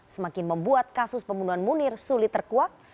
semakin membuat kasus pembunuhan munir sulit terkuak